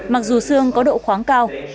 mặc dù xương có độ khoáng cao